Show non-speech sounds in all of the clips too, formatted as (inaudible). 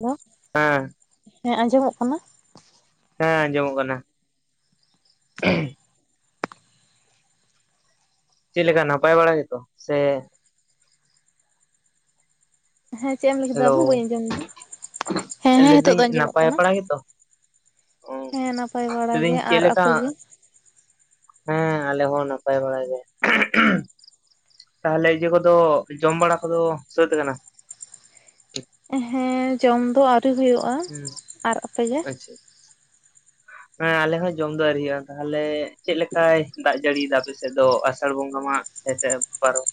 ᱦ (unintelligible) ᱦᱮᱸ ᱦᱮᱸ ᱟᱸᱡᱚᱢᱚᱜ ᱠᱟᱱᱟ ᱦᱮᱸ ᱟᱸᱡᱚᱢᱚᱜ ᱠᱟᱱᱟ ᱪᱮᱫ ᱞᱮᱠᱟ ᱱᱟᱯᱟᱭ ᱵᱟᱲᱟᱭ ᱜᱮᱛᱚ ᱥᱮ ᱦᱮᱸ ᱪᱮᱫ ᱮᱢ ᱞᱟᱹᱭ ᱠᱮᱫᱟ ᱦᱮᱞᱳ ᱵᱟᱹᱵᱩ ᱵᱟᱹᱧ ᱟᱸᱡᱚᱢ ᱞᱮᱫᱟ ᱦᱮᱸ ᱦᱮᱸ ᱱᱤᱛᱚᱜ ᱞᱟᱹᱭᱫᱟᱹᱧ ᱫᱚ ᱟᱸᱡᱚᱢᱚᱜ ᱱᱟᱯᱟᱭ ᱠᱟᱱᱟ ᱵᱟᱲᱟ ᱜᱮᱛᱚ ᱚ ᱦᱮᱸ ᱱᱟᱯᱟᱭ ᱵᱟᱲᱟ ᱞᱟᱹᱭᱫᱟᱹᱧ ᱜᱮ ᱪᱮᱫ ᱟᱨ ᱞᱮᱠᱟ ᱟᱯᱮ ᱦᱮᱸ ᱟᱞᱮ ᱦᱚᱸ ᱱᱟᱯᱟᱭ ᱵᱟᱲᱟ ᱜᱮ ᱛᱟᱦᱚᱞᱮ ᱤᱭᱟᱹ ᱠᱚᱫᱚ ᱡᱚᱢ ᱵᱟᱲᱟ ᱠᱚᱫᱚ ᱥᱟᱹᱛ ᱟᱠᱟᱱᱟ ᱦᱮᱸ ᱡᱚᱢ ᱫᱚ ᱟᱹᱣᱨᱤ ᱦᱩᱭᱩᱜᱼᱟ ᱦᱩᱸ ᱟᱨ ᱟᱯᱮ ᱜᱮ ᱦᱮ ᱟᱞᱮ ᱦᱚᱸ ᱡᱚᱢ ᱫ ᱟᱹᱣᱨᱤ ᱦᱩᱭᱩᱜᱼᱟ ᱛᱟᱦᱚᱞᱮ ᱪᱮᱫᱞ ᱞᱮᱠᱟᱭ ᱫᱟᱜ ᱡᱟᱹᱲᱤᱭᱟ ᱟᱯᱮᱥᱮᱫ ᱫᱚ ᱟᱥᱟᱲ ᱵᱚᱸᱜᱟ ᱢᱟ ᱯᱟᱨᱚᱢ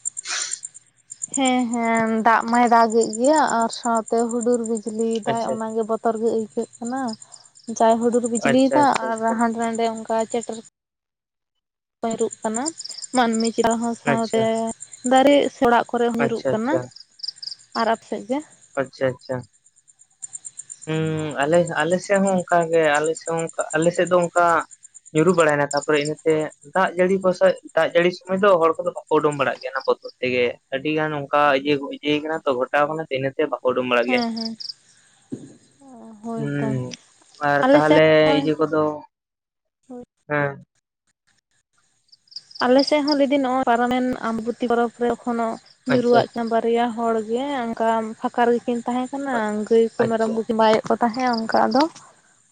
ᱦᱮᱸ ᱦᱮᱸ ᱫᱟᱜ ᱢᱟᱭ ᱫᱟᱜᱮᱫ ᱜᱮᱭᱟ ᱟᱨ ᱥᱟᱶᱛᱮ ᱦᱩᱰᱩᱨ ᱵᱤᱡᱽᱞᱤ ᱫᱟᱜ ᱟᱪᱪᱷᱟ ᱚᱱᱟᱜᱮ ᱵᱚᱛᱚᱨ ᱵᱚᱛᱚᱨ ᱜᱮ ᱟᱹᱭᱠᱟᱹᱜ ᱠᱟᱱᱟ ᱡᱟᱦᱟᱸᱭ ᱦᱩᱰᱩᱨ ᱟᱪᱪᱷᱟ ᱵᱤᱡᱽᱞᱤᱭᱮᱫᱟ ᱟᱪᱪᱷᱟ ᱟᱨ ᱟᱪᱪᱷᱟ ᱦᱟᱸᱰᱮ ᱱᱟᱰᱮ ᱚᱱᱠᱟ ᱪᱮᱴ ᱧᱩᱜ ᱠᱟᱱᱟ ᱢᱟᱹᱱᱢᱤ ᱪᱮᱛᱟᱱ ᱦᱚᱸ ᱥᱟᱶᱛᱮ ᱟᱪᱪᱷᱟ ᱫᱟᱨᱮ ᱚᱲᱟᱜ ᱠᱚᱨᱮ ᱦᱚᱸ ᱧᱩᱨᱩᱜ ᱟᱪᱪᱷᱟ ᱠᱟᱱᱟ ᱟᱪᱪᱷᱟ ᱟᱨ ᱟᱯᱮ ᱥᱮᱫ ᱜᱮ ᱟᱪᱪᱷᱟ ᱟᱪᱪᱷᱟ ᱦᱮᱸ ᱟᱞᱮ ᱟᱞᱮ ᱥᱮᱫ ᱦᱚᱸ ᱚᱱᱠᱟᱜ ᱜᱮ ᱟᱞᱮ ᱥᱮᱫ ᱦᱚᱸ ᱚᱱᱠᱟ ᱟᱞᱮ ᱥᱮᱫ ᱫᱚ ᱚᱱᱠᱟ ᱧᱩᱨᱩ ᱵᱟᱲᱟᱭᱮᱱᱟ ᱛᱟᱯᱚᱨᱮ ᱤᱱᱟᱹᱛᱮ ᱫᱟᱜ ᱡᱟᱹᱲᱤ ᱠᱚ ᱥᱮ ᱫᱟᱜ ᱡᱟᱹᱲᱤ ᱥᱚᱢᱚᱭ ᱫᱚ ᱦᱚᱲ ᱠᱚᱫᱚ ᱵᱟᱠᱚ ᱩᱰᱩᱝ ᱵᱟᱲᱟᱜ ᱜᱮᱭᱟ ᱚᱱᱟ ᱵᱚᱛᱚᱨ ᱛᱮᱜᱮ ᱟᱹᱰᱤ ᱜᱟᱱ ᱚᱱᱠᱟ ᱤᱭᱟᱹ ᱤᱭᱟᱹ ᱟᱠᱟᱱᱟ ᱛᱚ ᱜᱷᱚᱴᱟᱣ ᱟᱠᱟᱱᱟ ᱛ ᱤᱱᱟᱹᱛᱮ ᱵᱟᱠᱚ ᱩᱰᱩᱝ ᱵᱟᱲᱟᱜ ᱜᱮᱭᱟ ᱦᱮᱸ ᱦᱮᱸ ᱦᱳᱭᱛᱚ ᱦᱮᱸ ᱟᱨ ᱟᱞᱮ ᱥᱮᱫ ᱛᱟᱦᱚᱞᱮ ᱦᱚᱸ ᱤᱭᱟᱹ ᱠᱚᱫᱚ ᱦᱮᱸ ᱟᱞᱮᱥᱮᱫ ᱦᱚᱸ ᱞᱟᱹᱭᱤ ᱱᱚᱜᱚᱭ ᱯᱟᱨᱚᱢᱮᱱ ᱟᱢᱵᱩᱛᱤ ᱯᱚᱨᱚᱵᱽ ᱨᱮ ᱮᱠᱷᱚᱱᱚ ᱟᱪᱪᱷᱟ ᱧᱩᱨᱩᱨᱩᱣᱟᱜ ᱟᱪᱪᱷᱟ ᱪᱟᱸᱵᱟᱲ ᱯᱮᱭᱟ ᱦᱚᱲ ᱜᱮ ᱚᱱᱠᱟ ᱯᱷᱟᱠᱟ ᱜᱮᱠᱤᱱ ᱛᱟᱦᱮᱸ ᱠᱟᱱᱟ ᱜᱟᱹᱭ ᱠᱚ ᱢᱮᱨᱚᱢ ᱟᱪᱪᱷᱟ ᱠᱚᱠᱤᱱ ᱵᱟᱭᱮᱫ ᱛᱟᱦᱮᱸᱜᱼᱟ ᱚᱱᱠᱟ ᱟᱫᱚ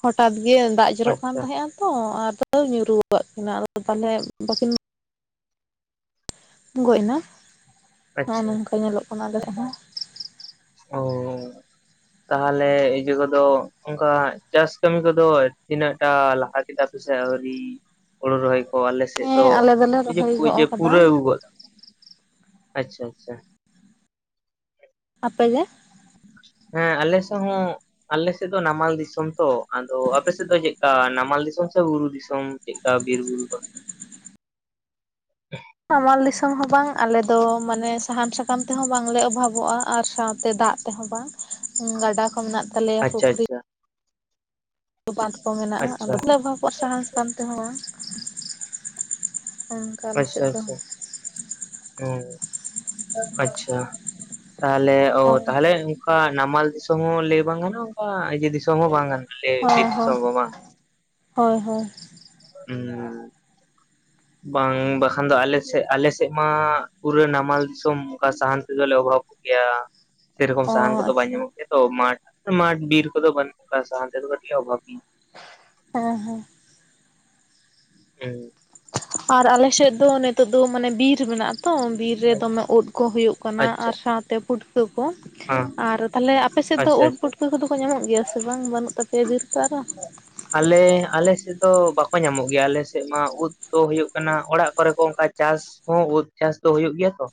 ᱦᱚᱴᱟᱛ ᱜᱮ ᱫᱟᱜ ᱡᱚᱨᱚᱜ ᱠᱟᱱ ᱟᱪᱪᱷᱟ ᱛᱟᱦᱮᱸᱜᱼᱟ ᱛᱚ ᱟ ᱧᱩᱨᱩᱫ ᱠᱤᱱᱟ ᱟᱫᱚ ᱛᱟᱦᱚᱞᱮ ᱵᱟᱹᱠᱤᱱ ᱜᱚᱡ ᱮᱱᱟ ᱱᱚᱜ ᱟᱪᱪᱷᱟ ᱱᱚᱝᱠᱟ ᱧᱮᱞᱚᱜ ᱠᱟᱱᱟ ᱟᱞᱮ ᱴᱷᱮᱱ ᱦᱚᱸ ᱚ ᱛᱟᱦᱚᱞᱮ ᱤᱭᱟᱹ ᱠᱚᱫᱚ ᱚᱱᱠᱟ ᱪᱟᱥ ᱠᱟᱹᱢᱤ ᱠᱚᱫᱚ ᱛᱤᱱᱟᱹᱜ ᱴᱟ ᱞᱟᱦᱟ ᱠᱮᱫᱟ ᱯᱮ ᱥᱮ ᱟᱹᱣᱨᱤ ᱦᱩᱲᱩ ᱨᱚᱦᱚᱭ ᱟᱞᱮᱥᱮᱫ ᱦᱮᱸ ᱫᱚ ᱟᱞᱮ ᱫᱚᱞᱮ ᱨᱚᱦᱚᱭ ᱜᱚᱜ ᱠᱟᱫᱟ ᱯᱩᱨᱟᱹ ᱟᱹᱜᱩ ᱜᱚᱫᱟᱠᱚ ᱟᱪᱪᱷᱟ ᱟᱪᱪᱷᱟ ᱟᱯᱮ ᱜᱮ ᱦᱮᱸ ᱟᱞᱮ ᱥᱮᱫ ᱦᱚᱸ ᱟᱞᱮ ᱥᱮᱫ ᱫᱚ ᱱᱟᱢᱟᱞ ᱫᱤᱥᱚᱢ ᱛᱚ ᱟᱫᱚ ᱟᱯᱮ ᱥᱮᱫ ᱫᱚ ᱪᱮᱫᱠᱟ ᱱᱟᱢᱟᱞ ᱫᱤᱥᱚᱢ ᱥᱮ ᱵᱩᱨᱩ ᱫᱤᱥᱚᱢ ᱪᱮᱫᱠᱟ ᱵᱤᱨ ᱫᱚ (unintelligible) ᱱᱟᱢᱟᱞ ᱫᱤᱥᱚᱢ ᱦᱚᱸ ᱵᱟᱝ ᱟᱞᱮ ᱫᱚ ᱢᱟᱱᱮ ᱥᱟᱦᱟᱱ ᱥᱟᱠᱟᱢ ᱛᱮᱦᱚᱸ ᱵᱟᱝᱞᱮ ᱚᱵᱷᱟᱵᱚᱜᱼᱟ ᱟᱨ ᱥᱟᱶᱛᱮ ᱫᱟᱜ- -ᱛᱮᱦᱚᱸ ᱵᱟᱝ ᱜᱟᱰᱟ ᱠᱚ ᱢᱮᱱᱟᱜ ᱛᱟᱞᱮᱭᱟ ᱟᱪᱪᱷᱟ ᱯᱩᱠᱷᱨᱤ ᱟᱪᱪᱷᱟ ᱵᱟᱸᱫᱷ ᱠᱚ ᱢᱮᱱᱟᱜᱼᱟ (unintelligible) ᱟᱪᱪᱷᱟ ᱚᱵᱦᱚᱵᱚᱜᱼᱟ ᱥᱟᱦᱟᱱ ᱥᱟᱠᱟᱢ ᱛᱮᱦᱚᱸ ᱟᱞᱮ ᱟᱪᱪᱷᱟ ᱥᱮᱫ ᱫᱚ ᱟᱪᱪᱷᱟ ᱦᱩᱸ ᱟᱪᱪᱷᱟ ᱛᱟᱦᱚᱞᱮ ᱚ ᱦᱳᱭ ᱛᱟᱦᱚᱞᱮ ᱚᱱᱠᱟ ᱱᱟᱢᱟᱞ ᱫᱤᱥᱚᱢ ᱦᱚᱸ ᱞᱟᱹᱭ ᱵᱟᱝ ᱜᱟᱱᱚᱜᱼᱟ ᱚᱱᱠᱟ ᱤᱭᱟᱹ ᱫᱤᱥᱚᱢ ᱦᱚᱸ ᱵᱟᱝ ᱜᱟᱱᱚᱜᱼᱟ ᱞᱟᱹᱭ ᱵᱤᱨ ᱦᱚᱸ ᱦᱚᱸ ᱫᱤᱥᱚᱢ ᱫᱚ ᱵᱟᱝ ᱦᱳᱭ ᱦᱳᱭ ᱦᱩᱸ (inaudible) ᱵᱟᱝ ᱵᱟᱠᱷᱟᱱ ᱫᱚ ᱟᱞᱮᱥᱮᱫ ᱟᱞᱮᱥᱮᱫ ᱢᱟ ᱯᱩᱨᱟᱹ ᱱᱟᱢᱟᱞ ᱫᱤᱥᱚᱢ ᱚᱱᱠᱟ ᱥᱟᱦᱟᱱ ᱛᱮᱫᱞᱮ ᱚᱵᱷᱟᱵᱜ ᱜᱮᱭᱟ ᱥᱮᱨᱚᱠᱚᱢ ᱚ ᱥᱟᱦᱟᱱ ᱠᱚᱫᱚ ᱵᱟᱝ ᱟᱪᱪᱷᱟ ᱧᱟᱢᱚᱜ ᱜᱮᱭᱟ ᱛᱚ ᱢᱟᱴᱷ ᱢᱟᱴᱷ ᱵᱤᱨ ᱠᱚᱫᱚ ᱵᱟᱹᱱᱩᱜᱼᱟ ᱥᱟᱦᱟᱱ ᱛᱮᱫᱚᱞᱮ ᱠᱟᱹᱴᱤᱡᱞᱮ ᱚᱵᱷᱟᱵ ᱜᱮᱭᱟ ᱦᱩᱸ ᱦᱩᱸ ᱦᱩᱸ ᱟᱨ ᱟᱞᱮᱥᱮᱫ ᱫᱚ ᱱᱤᱛᱚᱜ ᱫᱚ ᱢᱟᱱᱮ ᱵᱤᱨ ᱢᱮᱱᱟᱜᱼᱟ ᱛᱚ ᱵᱤᱨ- -ᱨᱮ ᱫᱚᱢᱮ ᱩᱫ ᱠᱚ ᱦᱩᱭᱩᱜ ᱠᱟᱱᱟ ᱟᱪᱪᱷᱟ ᱟᱨ ᱥᱟᱶᱛᱮ ᱯᱷᱩᱴ- ᱠᱟᱹ ᱠᱚ ᱦᱮᱸ ᱟᱨ ᱛᱟᱦᱞᱮ ᱟᱯᱮ ᱥᱮᱫ ᱫᱚ ᱟᱪᱪᱷᱟ ᱩᱫ ᱟᱪᱪᱷᱟ ᱯᱩᱴ- -ᱠᱟᱹ ᱠᱚᱫᱚ ᱠᱚ ᱧᱟᱢᱚᱜ ᱜᱮᱭᱟ ᱥᱮ ᱵᱟᱝ ᱵᱟᱹᱱᱩᱜ ᱛᱟᱯᱮᱭᱟ ᱵᱤᱨ ᱠᱚ ᱟᱨᱚ ᱟᱞᱮ ᱟᱞᱮ ᱥᱮᱫ ᱫᱚ ᱵᱟᱠᱚ ᱧᱟᱢᱚᱜ ᱜᱮᱭᱟ ᱟᱞᱮ ᱥᱮᱫ ᱢᱟ ᱩᱫ ᱫᱚ ᱦᱩᱭᱩᱜ ᱠᱟᱱᱟ ᱚᱲᱟᱜ ᱠᱚᱨᱮ ᱠᱚ ᱚᱱᱠᱟ ᱪᱟᱥ ᱦᱚᱸ ᱩᱫ ᱪᱟᱥ ᱫᱟ ᱦᱩᱭᱩᱜ ᱜᱮᱭᱟ ᱛᱚ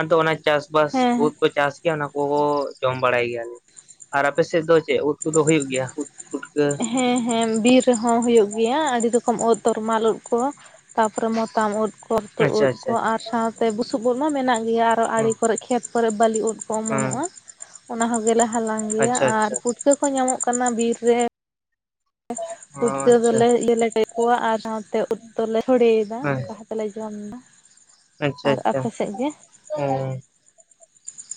ᱟᱫᱚ ᱚᱱᱟ ᱪᱟᱥ ᱵᱟᱥ ᱦᱮᱸ ᱦᱮᱸ ᱩᱫ ᱠᱚ ᱪᱟᱥ ᱜᱮᱭᱟ ᱚᱱᱟ ᱠᱚ ᱠᱚ ᱡᱚᱢ ᱵᱟᱲᱟᱭ ᱜᱮᱭᱟᱞᱮ ᱟᱨ ᱟᱯᱮ ᱥᱮᱫ ᱫᱚ ᱪᱮᱫ ᱩᱫ ᱠᱚᱫᱚ ᱦᱩᱭᱩᱜ ᱜᱮᱭᱟ ᱩᱫ ᱯᱩᱴᱠᱟᱹ ᱦᱮᱸ ᱦᱮᱸ ᱵᱤᱨ ᱨᱮᱦᱚᱸ ᱦᱩᱭᱩᱜ ᱜᱮᱭᱟ ᱟᱹᱰᱤ ᱨᱚᱠᱚᱢ ᱩᱫ ᱛᱚᱨᱢᱟᱞ ᱩᱫ ᱠᱚ ᱛᱟᱯᱚᱨᱮ ᱢᱚᱛᱟᱢ ᱩᱫ ᱠᱚ ᱛᱚ ᱟᱪᱪᱷᱟ ᱩᱫ ᱟᱪᱪᱷᱟ ᱠᱚ ᱦᱮᱸ ᱟᱨ ᱥᱟᱶᱛᱮ ᱵᱩᱥᱩᱵ ᱩᱫ ᱢᱟ ᱢᱮᱱᱟᱜ ᱜᱮᱭᱟ ᱟᱨᱚ ᱟᱲᱮ ᱠᱚᱨᱮ ᱠᱷᱮᱛ ᱠᱚᱨᱮ ᱵᱟᱹᱞᱤ ᱩᱫ ᱠᱚ ᱦᱮᱸ ᱚᱢᱚᱱᱚᱜᱼᱟ ᱚᱱᱟ ᱦᱚᱸ ᱜᱮᱞᱮ ᱦᱟᱞᱟᱝ ᱜᱮᱭᱟ ᱟᱪᱪᱷᱟ ᱟᱨ ᱟᱪᱪᱷᱟ ᱯᱩᱴᱠᱟᱹ ᱠᱚ ᱧᱟᱢᱚᱜ ᱠᱟᱱᱟ ᱵᱤᱨ ᱨᱮ ᱚ ᱯᱩᱴᱠᱟᱹ ᱟᱪᱪᱷᱟ ᱫᱚᱞᱮ ᱞᱮᱴ ᱠᱮᱫ ᱠᱚᱣᱟ ᱟᱨ ᱥᱟᱶᱛᱮ ᱩᱛᱩ ᱫᱚᱞᱮ ᱦᱳᱲᱮᱫᱟ ᱦᱮᱸ ᱚᱱᱠᱟ ᱠᱟᱛᱮᱞᱮ ᱡᱚᱢ ᱫᱟ ᱟᱪᱪᱷᱟ ᱟᱪᱪᱷᱟ ᱚᱸ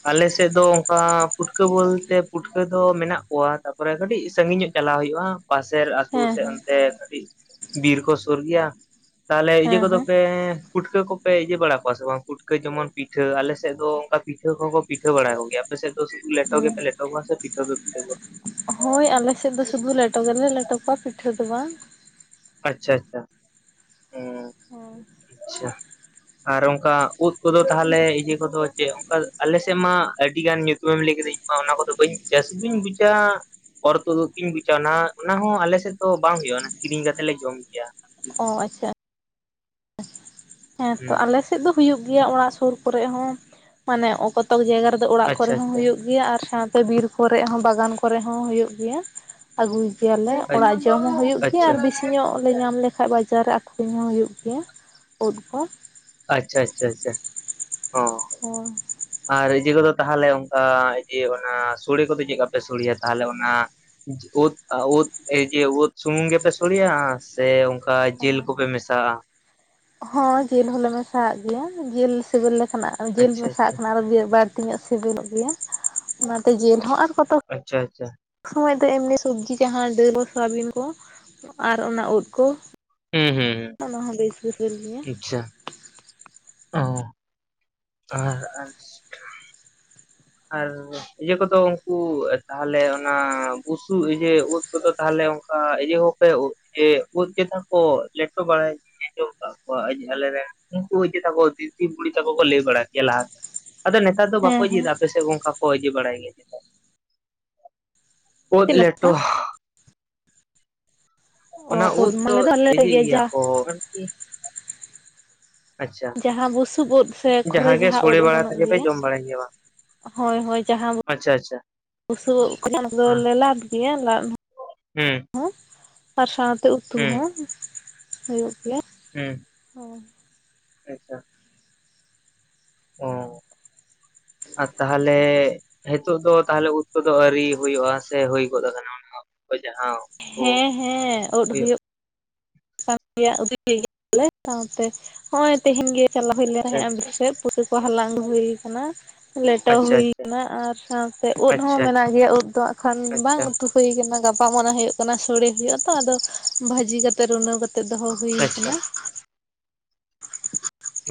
ᱟᱞᱮᱥᱮᱫ ᱫᱚ ᱚᱱᱠᱟ ᱯᱩᱴᱠᱟᱹ ᱵᱚᱞᱛᱮ ᱯᱩᱴᱠᱟᱹ ᱫᱚ ᱢᱮᱱᱟᱜ ᱠᱚᱣᱟ ᱛᱟᱯᱚᱨᱮ ᱠᱟᱹᱴᱤᱡ ᱥᱟᱸᱹᱜᱤᱧ ᱧᱚᱜ ᱪᱟᱞᱟᱣ ᱦᱩᱭᱩᱜᱼᱟ ᱯᱟᱥᱮᱨ ᱟᱹᱛᱩ ᱦᱮᱸ ᱛᱮ ᱦᱮᱸ ᱚᱱᱛᱮ ᱠᱟᱹᱴᱤᱡ ‌ᱠᱟᱹᱴᱤᱡ ᱵᱤᱨ ᱠᱚ ᱥᱩᱨ ᱜᱮᱭᱟ ᱛᱟᱦᱚᱞᱮ ᱤᱭᱟᱹ ᱦᱮᱸ ᱠᱚᱫᱚ ᱦᱮᱸ ᱯᱮ ᱯᱩᱴᱠᱟᱹ ᱠᱚᱯᱮ ᱤᱭᱟᱹ ᱵᱟᱲᱟ ᱠᱚᱣᱟ ᱥᱮ ᱵᱟᱝ ᱯᱩᱴᱠᱟᱹ ᱡᱮᱢᱚᱱ ᱯᱤᱴᱷᱟᱹ ᱟᱞᱮ ᱥᱮᱫ ᱫᱚ ᱚᱱᱠᱟ ᱯᱤᱴᱷᱟᱹ ᱠᱚᱦᱚᱸ ᱠᱚ ᱯᱤᱴᱷᱟᱹ ᱵᱟᱲᱟ ᱠᱚᱜᱮᱭᱟ ᱟᱯᱮᱥᱮᱫ ᱫᱚ ᱞᱮᱴᱚ ᱦᱮᱸ ᱜᱮᱯᱮ ᱞᱮᱴᱚ ᱠᱚᱭᱟ ᱥᱮ ᱯᱤᱴᱷᱟᱹ ᱫᱚ ᱯᱤᱴᱷᱟᱹ ᱠᱚᱭᱟ ᱦᱳᱭ ᱟᱞᱮ ᱥᱮᱫ ᱫᱚ ᱥᱩᱫᱷᱩ ᱞᱮᱴᱚ ᱜᱮᱞᱮ ᱞᱮᱴᱚ ᱠᱚᱣᱟ ᱯᱤᱴᱷᱟᱹ ᱫᱚ ᱵᱟᱝ ᱟᱪᱪᱷᱟ ᱟᱪᱪᱷᱟ ᱦᱮᱸ ᱦᱩᱸ ᱟᱪᱪᱷᱟ ᱟᱨ ᱚᱱᱠᱟ ᱩᱫ ᱠᱚᱫᱚ ᱛᱟᱦᱚᱞᱮ ᱤᱭᱟᱹ ᱠᱚᱫᱚ ᱪᱮᱫ ᱚᱱᱠᱟ ᱟᱞᱮ ᱥᱮᱫ ᱢᱟ ᱟᱹᱰᱤᱜᱟᱱ ᱧᱩᱛᱩᱢᱮᱢ ᱞᱟᱹᱭ ᱠᱮᱫᱟ ᱚᱱᱟ ᱠᱚᱫᱚ ᱵᱟᱹᱧ ᱵᱩᱡᱟ ᱥᱩᱫᱩᱧ ᱵᱩᱡᱟ ᱚᱨ ᱛᱩᱫᱩᱜ ᱩᱫ ᱠᱚᱧ ᱵᱩᱡᱟ ᱚᱱᱟ ᱚᱱᱟ ᱦᱚᱸ ᱟᱞᱮ ᱥᱮᱫ ᱫᱚ ᱵᱟᱝ ᱦᱩᱭᱩᱜᱼᱟ ᱚᱱᱟ ᱠᱤᱨᱤᱧ ᱠᱟᱛᱮᱜ ᱞᱮ ᱡᱚᱢ ᱜᱮᱭᱟ ᱚ ᱟᱪᱪᱷᱟ ᱟᱪᱪᱷᱟ ᱦᱮᱸ ᱛᱚ ᱦᱩᱸ ᱟᱞᱮᱥᱮᱫ ᱫᱚ ᱦᱩᱭᱩᱜ ᱜᱮᱭᱟ ᱚᱲᱟᱜ ᱥᱩᱨ ᱠᱚᱨᱮ ᱦᱚᱸ ᱢᱟᱱᱮ ᱠᱚᱛᱚᱠ ᱡᱟᱭᱜᱟ ᱨᱮ ᱫᱚ ᱚᱲᱟᱜ ᱟᱪᱪᱷᱟ ᱠᱚᱨᱮ ᱦᱚᱸ ᱟᱪᱪᱷᱟ ᱦᱩᱭᱩᱜ ᱜᱮᱭᱟ ᱟᱨ ᱥᱟᱶᱛᱮ ᱵᱤᱨ ᱠᱚᱨᱮ ᱦᱚᱸ ᱵᱟᱜᱟᱱ ᱠᱚᱨᱮ ᱦᱚᱸ ᱦᱩᱭᱩᱜ ᱜᱮᱭᱟ ᱟᱹᱜᱩᱭ ᱜᱮᱭᱟᱞᱮ ᱚᱲᱟᱜ ᱟᱪᱪᱷᱟ ᱡᱚᱢ ᱦᱚᱸ ᱦᱩᱭᱩᱜ ᱜᱮᱭᱟ ᱟᱨ ᱵᱮᱥᱤ ᱧᱚᱜ ᱞᱮ ᱧᱟᱢ ᱞᱮᱠᱷᱟᱡ ᱵᱟᱡᱟᱨ ᱨᱮ ᱟᱠᱷᱨᱤᱧ ᱦᱚᱸ ᱦᱩᱭᱩᱜ ᱜᱮᱭᱟ ᱩᱫ ᱠᱚ ᱟᱪᱪᱷᱟ ᱟᱪᱪᱷᱟ ᱟᱪᱪᱷᱟ ᱚ ᱚ ᱟᱨ ᱤᱭᱟᱹ ᱠᱚᱫᱚ ᱛᱟᱦᱚᱞᱮ ᱚᱱᱠᱟ ᱤᱭᱟᱹ ᱚᱱᱟ ᱥᱚᱲᱮ ᱠᱚᱫᱚ ᱪᱮᱫᱠᱟᱯᱮ ᱥᱚᱲᱮᱭᱟ ᱛᱟᱦᱚᱞᱮ ᱚᱱᱟ ᱩᱫ ᱥᱩᱢᱩᱝ ᱜᱮ ᱯᱮ ᱥᱚᱲᱮᱭᱟ ᱥᱮ ᱚᱱᱠᱟ ᱡᱤᱞ ᱠᱚᱯᱮ ᱢᱮᱥᱟᱜᱼᱟ ᱦᱚᱸ ᱡᱤᱞ ᱦᱚᱞᱮ ᱢᱮᱥᱟᱣᱟᱜ ᱜᱮᱭᱟ ᱡᱤᱞ ᱥᱤᱵᱤᱞ ᱞᱮᱠᱷᱟᱱᱟᱜ ᱡᱤᱞ ᱟᱪᱪᱷᱟ ᱢᱮᱥᱟᱣᱟᱜ ᱟᱪᱪᱷᱟ ᱠᱷᱟᱱ ᱟᱨ ᱵᱟᱨᱛᱤ ᱧᱚᱜ ᱥᱤᱵᱤᱞᱚᱜ ᱜᱮᱭᱟ ᱚᱱᱟᱛᱮ ᱡᱤᱞ ᱦᱚᱸ ᱟᱨ ᱠᱚᱛᱚ ᱟᱪᱪᱷᱟ ᱟᱪᱪᱷᱟ ᱥᱚᱢᱚᱭ ᱫᱚ ᱮᱢᱱᱤ ᱥᱚᱵᱽᱡᱤ ᱡᱟᱦᱟᱸ ᱫᱟᱹᱞ ᱥᱳᱣᱟᱵᱤᱱ ᱠᱚ ᱟᱨ ᱚᱱᱟ ᱩᱫ ᱠᱚ ᱦᱩᱸ ᱦᱩᱸ ᱦᱩᱸ ᱚᱱᱟ ᱦᱚᱸ ᱵᱮᱥ ᱵᱩᱡᱟᱹᱞ ᱜᱮᱭᱟ ᱟᱪᱪᱷᱟ ᱚ ᱟᱨ ᱟᱨ ᱟᱨ ᱤᱭᱟᱹ ᱠᱚᱫᱚ ᱩᱱᱠᱩ ᱛᱟᱦᱚᱞᱮ ᱚᱱᱟ ᱵᱥᱩ ᱤᱭᱟᱹᱮ ᱩᱫ ᱩᱱᱠᱩᱫᱚ ᱛᱟᱦᱚᱞᱮ ᱚᱱᱠᱟ ᱤᱭᱟᱹᱦᱚᱸᱯᱮ ᱩᱫ ᱪᱮᱛ ᱠᱚ ᱞᱮᱴᱚ ᱵᱟᱲᱟᱭ ᱟᱸᱡᱚᱢ ᱠᱟᱫ ᱠᱚᱣᱟ ᱟᱞᱮ ᱨᱮᱱ ᱩᱱᱠᱩ ᱡᱟ ᱠᱚ ᱫᱤᱫᱤ ᱵᱩᱲᱤ ᱛᱟᱠᱚ ᱠᱚ ᱞᱟᱹᱭ ᱵᱟᱲᱟ ᱠᱮᱭᱟ ᱞᱟᱦᱟ ᱫᱚ ᱟᱫᱚ ᱱᱮᱛᱟᱨ ᱫᱚ ᱦᱮᱸ ᱵᱟᱠᱚ ᱦᱮᱸ ᱤᱫᱤᱭᱮᱫᱟ ᱟᱯᱮᱮᱥᱮᱫ ᱜᱚᱝᱠᱟ ᱠᱚ ᱤᱫᱤ ᱵᱟᱲᱟᱭ ᱜᱮᱭᱟ ᱱᱮᱛᱟᱨ ᱩᱫ ᱪᱮᱫ ᱞᱮᱠᱟ ᱞᱮᱴᱚ ᱚ ᱚᱱᱟ ᱩᱫ ᱫᱚ ᱢᱟᱞᱮ ᱟᱞᱮ ᱤᱫᱤ ᱜᱮᱭᱟ ᱡᱟ ᱠᱚ ᱟᱨᱠᱤ ᱟᱪᱪᱷᱟ ᱡᱟᱦᱟᱸ ᱵᱩᱥᱩᱵ ᱩᱫ ᱥᱮ ᱠᱷᱚᱨᱮ ᱜᱮ ᱡᱟᱦᱟᱸ ᱩᱫ ᱥᱳᱲᱮ ᱵᱟᱲᱟ ᱚᱢᱚᱱᱚᱜ ᱠᱟᱛᱮ ᱯᱮ ᱜᱮᱭᱟ ᱡᱚᱢ ᱵᱟᱲᱟᱭ ᱜᱮᱭᱟ ᱵᱟᱝ ᱦᱳᱭ ᱦᱳᱭ ᱡᱟᱦᱟᱸ ᱟᱪᱪᱷᱟ ᱟᱪᱪᱷᱟ ᱵᱩᱥᱩᱚᱜ ᱩᱫ ᱠᱚ ᱧᱟᱢᱚᱜᱟ ᱫᱚ ᱚᱱᱟ ᱠᱚᱫᱚᱞᱮ ᱞᱟᱫ ᱜᱮᱭᱟ ᱞᱟᱫ ᱦᱚᱸ ᱦᱮᱸ ᱟᱨ ᱥᱟᱶᱛᱮ ᱩᱛᱩ ᱦᱚᱸ ᱦᱩᱭᱩᱜ ᱜᱮᱭᱟ ᱦᱮᱸ ᱚ ᱟᱪᱪᱷᱟ ᱚ ᱟᱨ ᱛᱟᱦᱚᱞᱮ ᱱᱤᱛᱳᱜ ᱫᱚ ᱛᱟᱦᱚᱞᱮ ᱩᱫ ᱠᱚᱟᱹ ᱫᱚ ᱟᱹᱣᱨᱤ ᱦᱩᱭᱩᱜᱼᱟ ᱥᱮ ᱦᱩᱭ ᱜᱚᱫ ᱟᱠᱟᱱᱟ ᱦᱚᱭ ᱡᱟᱦᱟᱸ ᱠᱚ ᱦᱮᱸ ᱦᱮᱸ ᱩᱫ ᱦᱩᱭᱩᱜ ᱦᱩᱭᱩᱜᱼᱼ (unintelligible) ᱥᱟᱶᱛᱮ ᱱᱚᱜᱼᱚᱭ ᱛᱮᱦᱮᱧ ᱜᱮ ᱪᱟᱞᱟᱣ ᱦᱩᱭᱞᱮ ᱟᱪᱪᱷᱟ ᱟᱪᱪᱷᱟ ᱛᱟᱦᱮᱸᱱᱟᱮᱥ ᱯᱩᱥᱟᱹ ᱠᱚ ᱦᱟᱞᱟᱝ ᱟᱹᱜᱩ ᱦᱩᱭ ᱟᱠᱟᱱᱟ, ᱞᱮᱴᱚ ᱟᱪᱪᱷᱟ ᱦᱩᱭᱱᱟ ᱟᱨ ᱥᱟᱶᱛᱮ ᱩᱫ ᱦᱚᱸ ᱟᱪᱪᱷᱟ ᱟᱪᱪᱷᱟ ᱢᱮᱱᱟᱜ ᱜᱮᱭᱟ ᱩᱫ ᱫᱚ ᱮᱠᱷᱚᱱ ᱵᱟᱝ ᱟᱪᱪᱷᱟ ᱩᱛᱩ ᱦᱩᱭ ᱠᱟᱱᱟ ᱜᱟᱯᱟ ᱢᱚᱱᱮ ᱦᱩᱭᱩᱜ ᱠᱟᱱᱟ ᱥᱚᱲᱮ ᱦᱩᱭᱩᱜ ᱟ ᱛᱚ ᱟᱫᱚ ᱵᱷᱟᱹᱤ ᱠᱟᱛᱮ ᱨᱩᱱᱟᱹᱣ ᱠᱟᱛᱮᱼᱼ ᱠᱟᱛᱮ ᱫᱚᱦᱚ ᱦᱩᱭ ᱟᱪᱪᱷᱟ ᱟᱠᱟᱱᱟ᱾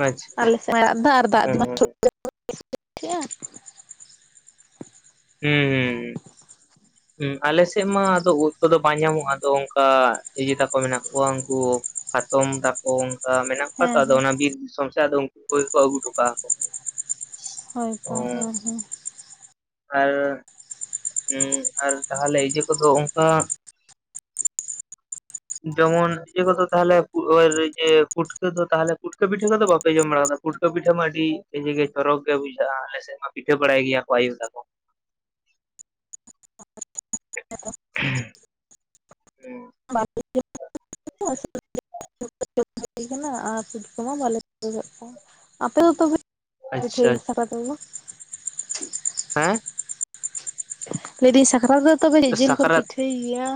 ᱟᱪᱪᱷᱟ ᱟᱞᱮ ᱥᱮᱫ ᱫᱟᱜ ᱫᱚ ᱟᱨ ᱫᱟᱜ (unintelligible) ᱼᱼ ᱴᱷᱤᱠᱭᱟ ᱦᱩᱸ ᱦᱩᱸ ᱦᱩᱸ ᱟᱞᱮᱥᱮᱫ ᱢᱟ ᱟᱫᱚ ᱩᱫ ᱠᱚᱫᱚ ᱵᱟᱝ ᱧᱟᱢᱚᱜᱼᱟ ᱟᱫᱚ ᱚᱱᱠᱟ ᱤᱭᱟᱹᱛᱟᱠᱚ ᱢᱮᱱᱟᱜ ᱠᱚᱣᱟ ᱩᱱᱠᱩᱼᱼ ᱦᱟᱛᱚᱢ ᱛᱟᱠᱚ, ᱛᱚ ᱚᱱᱠᱟ ᱢᱮᱱᱟᱜ ᱠᱚᱣᱟ ᱛᱚ ᱦᱮᱸ ᱟᱫᱚ ᱦᱮᱸ ᱚᱱᱟ ᱵᱤᱨ ᱫᱤᱥᱚᱢ ᱟᱫᱚ ᱩᱱᱠᱩ ᱠᱚᱜᱮ ᱠᱚ ᱟᱹᱜᱩ ᱦᱚᱴᱚ ᱠᱟᱜᱼᱟ ᱠᱚ᱾ ᱦᱳᱭ ᱛᱚ ᱚ ᱦᱮᱸ ᱦᱮᱸ, ᱟᱨ ᱟᱨ ᱛᱟᱦᱚᱞᱮ ᱤᱭᱟᱹ ᱠᱚᱫᱚ ᱚᱱᱠᱟᱼᱼ ᱡᱮᱢᱚᱱ ᱤᱭᱟᱹ ᱠᱚᱫᱚ ᱛᱟᱦᱚᱞᱮ ᱯᱷᱩᱴᱠᱟᱹ ᱫᱚ ᱛᱟᱦᱚᱞᱮ ᱯᱩᱴᱠᱟᱹ ᱯᱤᱴᱷᱟᱹ ᱠᱚᱫᱚ ᱵᱟᱯᱮ ᱡᱚᱢ ᱵᱟᱲᱟ ᱠᱟᱫᱟ᱾ ᱯᱩᱴᱠᱟᱹ ᱯᱤᱴᱷᱟᱹ ᱢᱟ ᱟᱹᱰᱤ ᱤᱡᱮ ᱜᱮ ᱪᱚᱨᱚᱠ ᱜᱮ ᱵᱩᱡᱷᱟᱹᱜᱼᱟ ᱟᱞᱮᱫ ᱢᱟ ᱯᱤᱴᱷᱟᱹ ᱵᱟᱲᱟᱭ ᱜᱮᱭᱟ ᱠᱚ ᱟᱭᱩ ᱛᱟ ᱠᱚ (unintelligible) ᱦᱩᱸ ᱵᱟᱨ (unintelligible) (unintelligible) ᱦᱩᱭ ᱠᱟᱱᱟ ᱟᱨ ᱥᱩᱴ ᱠᱚᱢᱟ ᱵᱟᱞᱮ ᱟᱠᱟᱫ ᱠᱚᱣᱟ ᱟᱯᱮ ᱫᱚ ᱛᱚᱵᱮ (inaudible) ᱯᱤᱴᱷᱟᱹ ᱟᱪᱪᱷᱟ ᱥᱟᱠᱨᱟᱛ ᱨᱮᱢᱟ ᱦᱮᱸ? ᱞᱟᱹᱭᱫᱟᱹᱧ ᱥᱟᱠᱨᱟᱛ ᱛᱚᱵᱮ ᱡᱤᱞ ᱠᱚᱯᱮ ᱥᱟᱠᱨᱟᱛ ᱯᱤᱴᱷᱟᱹᱭ ᱜᱮᱭᱟ?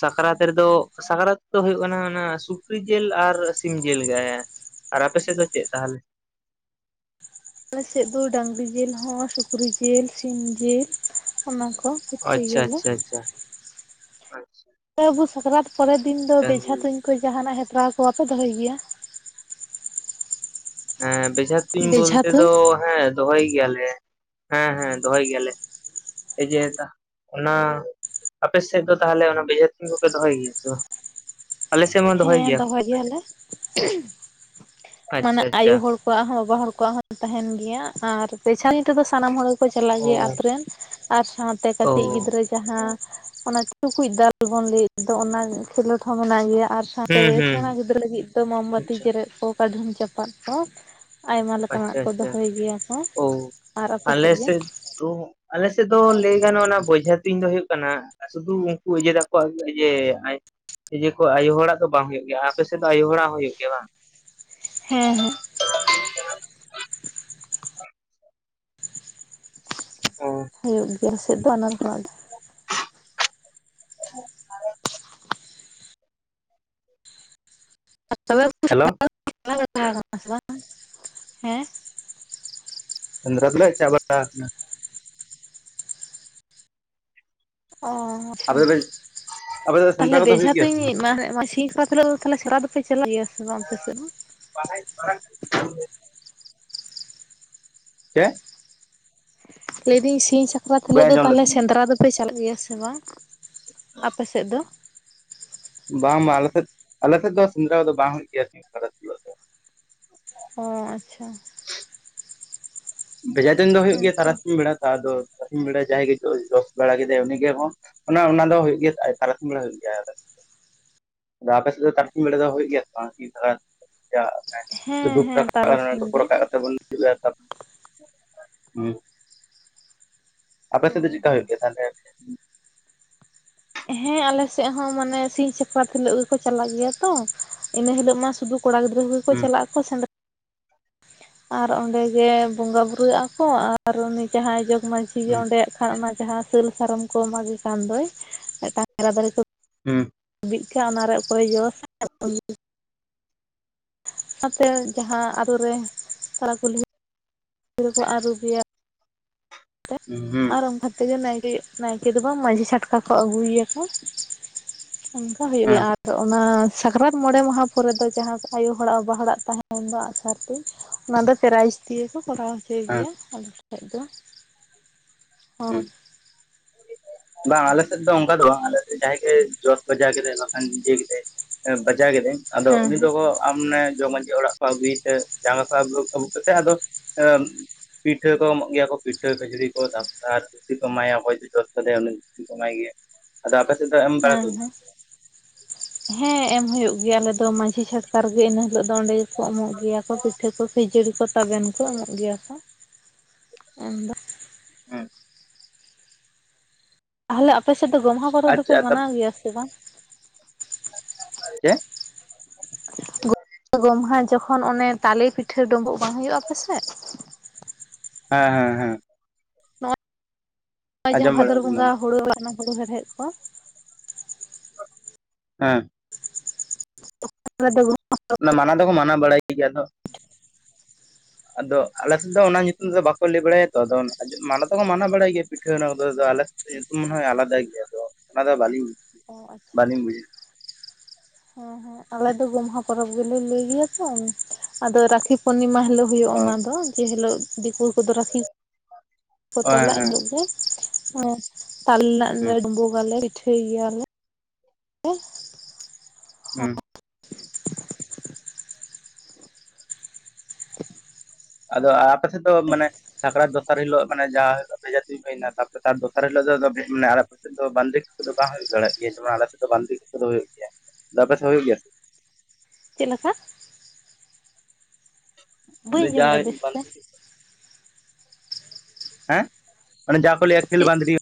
ᱥᱟᱠᱨᱟᱛ ᱨᱮᱫᱚ ᱥᱟᱠᱨᱟᱛ ᱫᱚ ᱦᱩᱭᱩᱜ ᱠᱟᱱᱟ ᱚᱱᱟ ᱥᱩᱠᱨᱤ ᱡᱤᱞ ᱟᱨ ᱥᱤᱢ ᱡᱤᱞ ᱜᱮ ᱟᱨ ᱟᱯᱮᱥᱮᱫ ᱫᱚ ᱪᱮᱫ ᱛᱟᱦᱚᱞᱮ? ᱟᱞᱮᱥᱮᱫ ᱫᱚ ᱰᱟᱹᱝᱨᱤ ᱡᱤᱞ ᱦᱚᱸ ᱥᱩᱠᱨᱤ ᱡᱤᱞ ᱥᱤᱢ ᱡᱤᱞ ᱚᱱᱟ ᱠᱚ ᱯᱤᱴᱷᱟᱹᱭ ᱟᱪᱪᱷᱟ ᱜᱮᱭᱟᱞᱮ᱾ ᱟᱪᱪᱷᱟ ᱟᱪᱪᱷᱟ ᱟᱯᱮ ᱦᱚᱸ ᱥᱟᱠᱨᱟᱛ ᱯᱚᱨᱮᱨ ᱫᱤᱱ ᱫᱚ ᱵᱮᱡᱷᱟ ᱰᱟᱝᱨᱤ ᱛᱩᱧ ᱠᱚ ᱡᱟᱦᱟᱱᱟᱜ ᱦᱮᱯᱨᱟᱣ ᱠᱚ ᱵᱟᱯᱮ ᱫᱚᱦᱚᱭ ᱜᱮᱭᱟ? ᱦᱮᱸ ᱵᱮᱡᱷᱟ ᱛᱩᱧ ᱵᱮᱡᱷᱟ ᱵᱚᱞᱛᱮ ᱛᱩᱧ ᱫᱚ ᱦᱮᱸ ᱫᱚᱦᱚᱭ ᱜᱮᱭᱟᱞᱮ ᱦᱮᱸ ᱦᱮᱸ ᱫᱚᱦᱚᱭ ᱜᱮᱭᱟᱞᱮ᱾ ᱚᱱᱟᱼᱼ ᱟᱯᱮ ᱥᱮᱫ ᱫᱚ ᱛᱟᱦᱚᱞᱮ ᱚᱱᱟ ᱵᱷᱮᱡᱟ ᱛᱩᱝ ᱠᱚᱯᱮ ᱫᱚᱦᱚᱭ ᱜᱮᱭᱟ ᱥᱮ ᱵᱟᱝ? ᱟᱞᱮ ᱥᱮᱫ ᱢᱟ ᱦᱮᱸ ᱜᱮᱭᱟ ᱠᱚ ᱫᱚᱦᱚᱭ ᱜᱮᱭᱟᱞᱮ ᱢᱟᱱᱮ ᱟᱪᱪᱷᱟ ᱟᱭᱩ ᱟᱪᱪᱷᱟ ᱦᱚᱲ ᱠᱚᱼᱼ ᱟᱭᱳ ᱦᱚᱲ ᱠᱚᱣᱟᱜ ᱦᱚᱸ ᱵᱟᱵᱟ ᱦᱚᱲ ᱠᱚᱣᱟᱜ ᱦᱚᱸ ᱛᱟᱦᱮᱱ ᱜᱮᱭᱟ ᱟᱨ ᱯᱮᱪᱟᱱᱤ ᱛᱮᱫᱚ ᱥᱟᱱᱟᱢ ᱦᱚᱲᱼᱼ ᱠᱚ ᱪᱟᱞᱟᱜ ᱚ ᱜᱮᱭᱟ ᱟᱛᱳ ᱨᱮᱱ ᱟᱨ ᱥᱟᱶᱛᱮ ᱚ ᱠᱟᱹᱴᱤᱡ ᱜᱤᱫᱽᱨᱟᱹ ᱡᱟᱦᱟᱸᱼᱼ ᱚᱱᱟ ᱴᱩᱠᱩᱡ ᱫᱟᱞ ᱵᱚᱱ ᱞᱟᱹᱭ ᱫᱚ ᱚᱱᱟ ᱠᱷᱮᱞᱳᱰ ᱦᱚᱸ ᱢᱮᱱᱟᱜ ᱜᱮᱭᱟ ᱟᱨᱼᱼ ᱥᱟᱶᱛᱮ ᱦᱩᱸ ᱦᱩᱸ ᱥᱮᱬᱟ ᱜᱤᱫᱽᱨᱟᱹ ᱞᱟᱹᱜᱤᱫ ᱫᱚ ᱢᱟᱢᱵᱟᱹᱛᱤ ᱟᱪᱪᱷᱟ ᱡᱮᱨᱮᱫ ᱠᱚ ᱠᱟ ᱫᱷᱚᱢ ᱪᱟᱯᱟᱫ ᱠᱚᱼᱼ ᱟᱭᱢᱟ ᱞᱮᱠᱟᱱᱟᱜ ᱟᱪᱪᱷᱟ ᱠᱚ ᱟᱪᱪᱷᱟ ᱫᱚᱦᱚᱭ ᱜᱮᱭᱟ ᱠᱚ ᱟᱨ ᱟᱯᱮ ᱥᱮᱫ ᱜᱮ? ᱛᱚ ᱟᱞᱮᱥᱮᱫ ᱫᱚ ᱞᱟᱹᱭ ᱜᱟᱱᱚᱜᱼᱟ ᱵᱮᱡᱷᱟ ᱛᱩᱧ ᱫᱚ ᱦᱩᱭᱩᱜ ᱠᱟᱱᱟ᱾ ᱥᱩᱫᱷᱩ ᱩᱱᱠᱩ ᱤᱡᱟᱹ ᱛᱟᱠᱚᱣᱟ ᱡᱮ ᱟᱭᱳᱼᱼ ᱤᱭᱟᱹ ᱠᱚ ᱟᱭᱳ ᱦᱚᱲᱟᱜ ᱫᱚ ᱵᱟᱝ ᱦᱩᱭᱩᱜ ᱜᱮᱭᱟ ᱟᱯᱮ ᱥᱮᱫ ᱫᱚ ᱟᱭᱳ ᱦᱚᱲᱟᱜ ᱦᱚᱸ ᱦᱩᱭᱩᱜ ᱜᱮᱭᱟ ᱵᱟᱝ? ᱦᱮᱸ ᱦᱮᱸ ᱚ ᱦᱩᱭᱩᱜ ᱜᱮᱭᱟ ᱟᱞᱮ ᱥᱮᱫ ᱫᱚ ᱟᱭᱳ. ᱦᱚᱲ ᱠᱚᱣᱟᱜ ᱫᱚᱼᱼ (inaudible) ᱚᱵ ᱦᱮᱞᱳ (unintelligible) ᱵᱟᱝ ᱦᱮᱸ ᱥᱮᱸᱫᱽᱨᱟ ᱫᱚᱞᱮ ᱪᱟ ᱵᱟᱲᱟ ᱠᱟᱱᱟ ᱚ ᱟᱪᱪᱷᱟ ᱟᱯᱮ ᱫᱚ ᱛᱟᱦᱞᱮ ᱥᱮᱸᱫᱽᱨᱟ ᱠᱚᱫᱚ ᱵᱮᱡᱷᱟ ᱦᱩᱭᱩᱜ ᱜᱮᱭᱟ ᱥᱮ ᱛᱩᱧ ᱵᱟᱝ ᱮᱢᱮᱫ ᱢᱟ ᱥᱤᱧ ᱯᱟᱛᱨᱚ ᱛᱟᱦᱚᱞᱮ ᱥᱮᱫᱽᱨᱟ ᱫᱚᱯᱮ ᱪᱟᱞᱟᱜ ᱜᱮᱭᱟ ᱥᱮ ᱵᱟᱝ ᱟᱯᱮ ᱥᱮᱫ ᱦᱚᱸ ᱯᱟᱲᱦᱟᱭ (inaudible) ᱪᱮᱫ ᱞᱟᱹᱭᱫᱟᱹᱧ ᱥᱤᱧ ᱥᱟᱠᱨᱟᱛ ᱵᱟᱹᱧ ᱦᱤᱞᱳᱜ ᱫᱚ ᱟᱸᱡᱚᱢ ᱛᱟᱦᱞᱮ ᱞᱮᱫᱟ ᱥᱮᱸᱫᱽᱨᱟ ᱫᱚᱯᱮ ᱪᱟᱞᱟᱜ ᱜᱮᱭᱟ ᱥᱮ ᱵᱟᱝ ᱟᱯᱮ ᱥᱮᱫ ᱫᱚ ᱵᱟᱝ ᱵᱟᱝ ᱟᱞᱮᱥᱮᱫ ᱟᱞᱮ ᱥᱮᱫ ᱫᱚ ᱥᱮᱸᱫᱽᱨᱟ ᱫᱚ ᱵᱟᱝ ᱦᱩᱭᱩᱜ ᱜᱮᱭᱟ ᱥᱤᱢ ᱥᱟᱠᱨᱟᱛ ᱨᱮᱫᱚ ᱚ ᱟᱪᱪᱷᱟ ᱦᱮ (inaudible) ᱵᱷᱮᱡᱟ ᱛᱩᱧ ᱫᱚ ᱦᱳᱭᱳᱜ ᱜᱮᱭᱟ ᱦᱮᱸᱛᱚ ᱛᱨᱟᱥᱤᱧ ᱵᱮᱲᱟ ᱛᱚ ᱟᱫᱚ ᱛᱟᱨᱟᱥᱤᱧ ᱵᱮᱲᱟ ᱡᱟᱦᱟᱸᱭ ᱜᱮ ᱡᱚᱥ ᱵᱟᱲᱟ ᱠᱮᱫᱟᱭ ᱩᱱᱤ ᱜᱮ ᱚᱱᱟ ᱚᱱᱟ ᱫᱚ ᱦᱩᱭᱩᱜ ᱜᱮᱭᱟ ᱛᱟᱨᱟᱥᱤᱢ ᱵᱮᱲᱟ ᱦᱩᱭᱩᱜ ᱜᱮᱭᱟ ᱟᱯᱮ ᱥᱮᱫ ᱫᱚ ᱛᱟᱨᱟᱥᱤᱧ ᱵᱮᱲᱟ ᱫᱚ ᱦᱩᱭᱩᱜ ᱜᱮᱭᱟ ᱥᱮ ᱵᱟᱝ ᱦᱮᱸ ᱛᱩᱯᱩ ᱦᱮᱸ ᱨᱟᱠᱟᱵ ᱛᱟᱨᱟᱥᱤᱧ ᱫᱚᱠᱚ (unintelligible) ᱜᱮ᱾ ᱨᱟᱠᱟᱵ ᱠᱟᱛᱮ ᱵᱚᱱ (unintelligible) ᱦᱩᱸ ᱟᱯᱮ ᱥᱮᱫ ᱫᱚ ᱦᱳᱭ ᱪᱮᱫᱠᱟ ᱦᱳᱭ ᱦᱩᱭᱩᱜ ᱜᱮᱭᱟ ᱛᱟᱦᱚᱞᱮ ᱦᱮᱸ ᱟᱞᱮᱥᱮᱫ ᱦᱚᱸ ᱢᱟᱱᱮ ᱥᱤᱧ ᱥᱟᱠᱨᱟᱛ ᱦᱤᱞᱟᱹᱜ ᱜᱮᱠᱚ ᱪᱟᱞᱟᱜ ᱜᱮᱭᱟ ᱛᱚ ᱤᱱᱟᱹ ᱦᱤᱞᱚᱜ ᱢᱟ ᱥᱩᱫᱩ ᱠᱚᱲᱟ ᱜᱤᱫᱽᱨᱟᱹ ᱠᱚ ᱜᱮ ᱠᱚ ᱦᱩᱸ ᱪᱟᱞᱟᱜ ᱟᱠᱚ ᱥᱮᱸᱫᱽᱨᱟ ᱟᱨ ᱚᱸᱰᱮ ᱜᱮ ᱵᱚᱸᱜᱟ ᱵᱩᱨᱜᱼᱟ ᱠᱚ ᱟᱨ ᱩᱱᱤ ᱡᱟᱦᱟᱸᱭ ᱡᱚᱜᱽ ᱢᱟᱺᱡᱷᱤ ᱜᱮ ᱦᱩᱸ ᱚᱸᱰᱮᱭᱟᱜ ᱠᱷᱟᱱ ᱡᱟᱦᱟᱸ ᱥᱟᱹᱞ ᱥᱟᱨᱚᱢ ᱠᱚ ᱢᱟᱜᱮ ᱠᱟᱱ ᱫᱚᱭ ᱢᱤᱫᱴᱟᱝ ᱦᱩᱸ ᱵᱤᱫ ᱠᱟᱜ ᱚᱱᱟᱨᱮ ᱚᱠᱚᱭ ᱡᱚᱥ ᱚᱱᱟᱛᱮ ᱡᱟᱦᱟᱸ ᱟᱹᱛᱳ ᱨᱮ ᱛᱟᱨᱟ ᱠᱩᱞᱦᱤ ᱨᱮᱠᱚ ᱟᱹᱨᱩᱵᱮᱭᱟ ᱦᱩᱸ ᱦᱩᱸ ᱟᱨ ᱚᱱᱠᱟ ᱛᱮᱜᱮ ᱱᱟᱭᱠᱮ ᱱᱟᱭᱠᱮ ᱫᱚ ᱵᱟᱝ ᱢᱟᱹᱡᱷᱤ ᱪᱷᱟᱴᱠᱟ ᱠᱚ ᱟᱹᱜᱩᱭᱮᱭᱟᱠᱚ ᱚᱱᱠᱟ ᱦᱩᱭᱩᱜ ᱜᱮᱭᱟ ᱦᱮᱸ ᱟᱨ ᱛᱚ ᱚᱱᱟ ᱥᱟᱠᱨᱟᱛ ᱢᱚᱬᱮ ᱢᱟᱦᱟ ᱯᱚᱨᱮ ᱫᱚ ᱡᱟᱦᱟᱸ ᱫᱚ ᱟᱭᱳ ᱦᱚᱲᱟᱜ ᱵᱟᱵᱟ ᱦᱚᱲᱟᱜ ᱛᱟᱦᱮᱱ ᱫᱚ ᱟᱜᱼᱥᱟᱨ ᱛᱩᱧ ᱚᱱᱟ ᱫᱚ ᱯᱮᱨᱟᱭᱤᱡ ᱫᱤᱭᱮ ᱠᱚ ᱠᱚᱨᱟᱣ ᱦᱚᱪᱚᱭ ᱦᱮᱸ ᱜᱮᱭᱟ ᱩᱱ ᱡᱚᱠᱷᱚᱡ ᱫᱚ ᱦᱩᱸ (inaudible) ᱵᱟᱝ ᱟᱞᱮᱥᱮᱫ ᱫᱚ ᱚᱝᱠᱟ ᱫᱚ ᱵᱟᱝ ᱟᱞᱮ ᱥᱮᱜ ᱡᱟᱦᱟᱸᱭ ᱜᱮ ᱡᱚᱥ ᱵᱟᱡᱟᱣ ᱠᱮᱫᱟᱭ ᱵᱟᱠᱷᱟᱱ ᱡᱤᱭᱟᱹ ᱠᱮᱫᱟᱭ ᱵᱟᱡᱟᱣ ᱠᱮᱫᱟᱹᱧ ᱟᱫᱚ ᱦᱮᱸ ᱩᱱᱤ ᱦᱮᱸ ᱫᱚᱠᱚ ᱟᱢᱱᱮ ᱡᱚᱠᱢᱟᱡᱷᱤ ᱚᱲᱟᱜ ᱠᱚ ᱟᱹᱜᱩᱭᱛᱮ ᱡᱟᱸᱜᱟ ᱠᱚ ᱟᱹᱵᱩᱜ ᱟᱹᱵᱩᱜ ᱠᱟᱛᱮᱜ ᱟᱫᱚ ᱯᱤᱴᱷᱟᱹ ᱠᱚ ᱮᱢᱚᱜ ᱜᱮᱭᱟ ᱠᱚ ᱯᱤᱴᱷᱟᱹ ᱠᱷᱟᱹᱡᱟᱹᱲᱤ ᱠᱚ ᱛᱟᱯ ᱟᱨ ᱫᱷᱩᱛᱤ ᱠᱚ ᱮᱢᱟᱭᱟ ᱚᱠᱚᱭ ᱜᱮ ᱡᱚᱥ ᱛᱟᱞᱮᱭᱟᱭ ᱩᱱᱤ ᱫᱷᱩᱛᱤ ᱠᱚ ᱮᱢᱟᱭ ᱜᱮ ᱟᱫᱚ ᱟᱯᱮ ᱥᱮᱫ ᱫᱚ ᱮᱢ ᱵᱟᱲᱟ ᱦᱮᱸ ᱠᱚ ᱦᱮᱸ ᱦᱮᱸ ᱮᱢ ᱦᱳᱭᱳᱜ ᱜᱮᱭᱟ ᱟᱞᱮ ᱫᱚ ᱢᱟᱺᱡᱷᱤ ᱪᱷᱟᱴᱠᱟ ᱨᱮᱜᱮ ᱤᱱᱟ ᱦᱤᱞᱳᱜ ᱫᱚ ᱚᱸᱰᱮ ᱜᱮᱠᱚ ᱮᱢᱚᱜ ᱜᱮᱭᱟ ᱠᱚ ᱯᱤᱴᱷᱟᱹ ᱠᱚ ᱡᱟᱹᱲᱤ ᱠᱚ ᱛᱟᱵᱮᱱ ᱠᱚ ᱮᱢᱚᱜ ᱜᱮᱭᱟ ᱠᱚ ᱮᱢ ᱫᱚ ᱦᱮᱸ ᱛᱟᱦᱚᱞᱮ ᱟᱯᱮ ᱥᱮᱫ ᱫᱚ ᱜᱚᱢᱦᱟ ᱯᱚᱨᱚᱵᱽ ᱫᱚᱯᱮ ᱟᱪᱪᱷᱟ ᱢᱟᱱᱟᱣ ᱜᱮᱭᱟ ᱥᱮ ᱵᱟᱝ ᱪᱮᱜ ᱜᱚᱢᱦᱟ ᱡᱚᱠᱷᱚᱱ ᱚᱱᱮ ᱛᱟᱞᱮ ᱯᱤᱴᱷᱟᱹ ᱰᱳᱢᱵᱳᱜ ᱵᱟᱝ ᱦᱳᱭᱳᱜᱼᱟ ᱟᱯᱮᱥᱮᱜ ᱦᱮᱸ ᱦᱮᱸ ᱦᱮᱸ ᱦᱼᱚᱭ ᱟᱸᱡᱚᱢ ᱡᱟᱦᱟᱸ ᱵᱟᱲᱟ ᱵᱷᱟᱫᱚᱨ ᱦᱮᱸ ᱵᱚᱸᱜᱟ ᱦᱳᱲᱳ ᱚᱱᱟ ᱠᱚᱫᱚ ᱦᱮᱲᱦᱮᱫ ᱠᱚ ᱦᱮᱸ (unintelligible) ᱚᱱᱟ ᱢᱟᱱᱟᱣ ᱫᱚᱠᱚ ᱢᱟᱱᱟᱣ ᱵᱟᱲᱟᱭ ᱜᱮᱭᱟ ᱟᱫᱚ ᱟᱫᱚ ᱟᱞᱮᱥᱮᱫ ᱫᱚ ᱚᱱᱟ ᱧᱩᱛᱩᱢ ᱛᱮᱫᱚ ᱵᱟᱠᱚ ᱞᱮ ᱵᱟᱲᱟᱭᱟ ᱛᱚ ᱟᱫᱚ ᱢᱟᱱᱟ ᱫᱚᱠᱚ ᱢᱟᱱᱟ ᱵᱟᱲᱟᱭ ᱜᱮᱭᱟ ᱯᱤᱴᱷᱟᱹ ᱚᱱᱟ ᱠᱚᱫᱚ ᱫᱚ ᱟᱞᱮ ᱧᱤᱛᱩᱢ ᱢᱚᱱᱮ ᱦᱳᱭ ᱟᱞᱟᱫᱟ ᱜᱮᱭᱟ ᱛᱚ ᱟᱱᱫᱟ ᱵᱟᱞᱤᱧ ᱚ ᱟᱪᱪᱷᱟ ᱦᱮᱸ ᱟᱞᱮ ᱫᱚ ᱜᱚᱢᱦᱟ ᱯᱚᱨᱚᱵᱽ ᱜᱮᱞᱮ ᱞᱮᱭ ᱜᱮᱭᱟ ᱛᱚ ᱟᱫᱚ ᱨᱟᱠᱷᱤ ᱯᱩᱨᱱᱤᱢᱟ ᱦᱤᱞᱳᱜ ᱦᱩᱭᱩᱜᱼᱟ ᱚᱱᱟ ᱫᱚ ᱡᱮ ᱦᱮᱞᱳᱜ ᱫᱤᱠᱩ ᱠᱚᱫᱚ ᱨᱟᱠᱷᱤ ᱠᱚ ᱚ ᱦᱮᱸ ᱛᱚᱞᱟ ᱮᱱ ᱦᱮᱸ ᱦᱤᱞᱳᱜ ᱜᱮ ᱮᱸ ᱛᱟᱞ ᱱᱟᱜ ᱞᱮ ᱦᱩᱸ ᱰᱩᱸᱢᱵᱩ ᱜᱟᱞᱮ ᱯᱤᱴᱷᱟᱹᱭ ᱜᱮᱭᱟᱞᱮ ᱦᱩᱸ ᱟᱫᱚ ᱟᱯᱮᱥᱮᱫ ᱫᱚ ᱢᱟᱱᱮ ᱥᱟᱠᱨᱟᱛ ᱫᱚᱥᱟᱨ ᱦᱤᱞᱳᱜ ᱢᱟᱱᱮ ᱡᱟᱦᱟᱸ ᱦᱤᱞᱳ ᱵᱷᱮᱡᱟ ᱛᱩᱧ ᱦᱩᱭᱱᱟ ᱛᱟᱯᱚᱨᱮ ᱛᱟᱨ ᱫᱚᱥᱟᱨ ᱦᱤᱞᱳᱜ ᱫᱚ ᱫᱚᱱᱮ ᱟᱨᱟᱜ ᱟᱞᱮᱜ ᱫᱚ ᱵᱟᱸᱞᱤᱠ ᱠᱚᱫᱚ ᱵᱟᱝ ᱦᱩᱭ ᱫᱟᱲᱮᱭᱟᱜ ᱜᱮᱭᱟ ᱡᱮᱢᱚᱱ ᱟᱞᱮ ᱥᱮᱫ ᱫᱚ ᱵᱟᱸᱫᱤᱠ ᱠᱚᱫᱚ ᱦᱳᱭᱳᱜ ᱜᱮᱭᱟ ᱟᱯᱮ ᱥᱮᱫ ᱦᱩᱭᱩᱜ ᱜᱮᱭᱟ ᱪᱮᱫ ᱞᱮᱠᱟ ᱵᱟᱹᱧ ᱞᱮᱭ ᱫᱟᱹᱧ ᱟᱸᱡᱚᱢ ᱞᱮᱫᱼᱟ ᱡᱟᱦᱟᱭ ᱵᱮᱥ ᱛᱮ ᱵᱟᱸᱫᱨᱤ ᱦᱮᱸ ᱚᱱᱮ ᱡᱟᱸᱦᱟ ᱠᱚ ᱞᱮᱭᱟ ᱠᱷᱮᱞ ᱵᱟᱸᱫᱨᱤ